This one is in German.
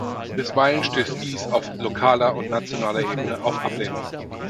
Bisweilen stößt dies auf lokaler und nationaler Ebene auf Ablehnung.